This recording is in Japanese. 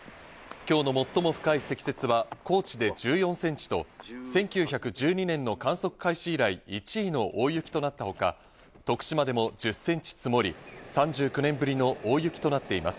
今日の最も深い積雪は、高知で１４センチと１９１２年の観測開始以来、１位の大雪となったほか、徳島でも１０センチ積もり３９年ぶりの大雪となっています。